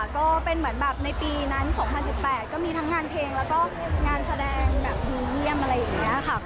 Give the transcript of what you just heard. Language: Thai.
ก็เป็นเหมือนแบบในปีนั้น๒๐๑๘ก็มีทั้งงานเพลงและงานแสดงดูเงียบค่ะ